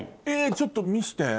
ちょっと見せて。